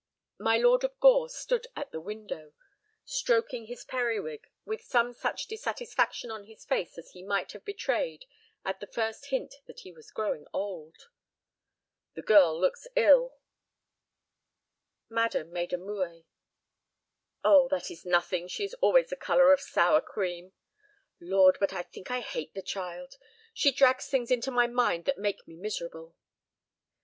My Lord of Gore stood at the window, stroking his periwig with some such dissatisfaction on his face as he might have betrayed at the first hint that he was growing old. "The girl looks ill." Madam made a moue. "Oh—that is nothing; she is always the color of sour cream. Lord, but I think I hate the child; she drags things into my mind that make me miserable."